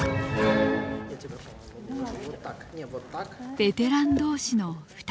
ベテラン同士の２人。